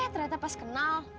eh ternyata pas kenal